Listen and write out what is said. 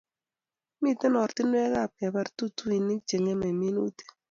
Mito oratinwek ab kebar tutuinik che ngemei minutik